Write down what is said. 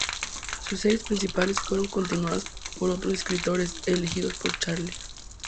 Sus series principales fueron continuadas por otros escritores, elegidos por Charlier.